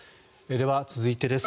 では、続いてです。